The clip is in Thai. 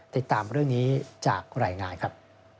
ติดตามเรื่องนี้จากรายงานครับ